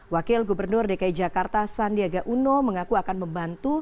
wakil gubernur dki jakarta sandiaga uno mengaku akan membantu